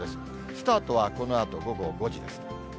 スタートはこのあと午後５時です。